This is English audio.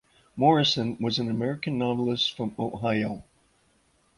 Morrison was an American novelist from Ohio.